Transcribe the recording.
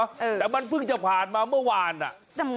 แต่มันว่ามันพึ่งจะผ่านมาเมื่อวานน่ะ